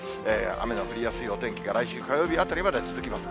雨の降りやすいお天気が来週火曜日あたりまで続きます。